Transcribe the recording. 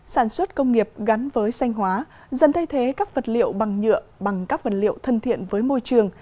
sản xuất công nghiệp gắn với xanh hóa dần thay thế các vật liệu bằng nhựa bằng các vật liệu thân thiện với môi trường